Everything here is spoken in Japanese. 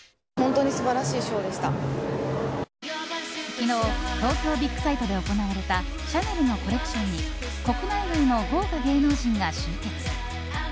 昨日東京ビッグサイトで行われたシャネルのコレクションに国内外の豪華芸能人が集結。